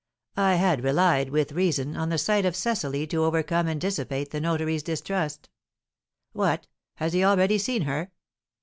"I had relied, with reason, on the sight of Cecily to overcome and dissipate the notary's distrust." "What! Has he already seen her?"